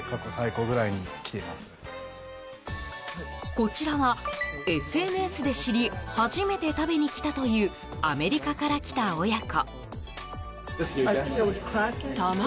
こちらはＳＮＳで知り初めて食べに来たというアメリカから来た親子。